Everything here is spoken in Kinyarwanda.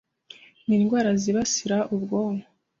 n’indwara zibasira ubwonko